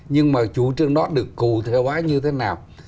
nhưng mà chủ trương đó được cụ thể hóa như thế nào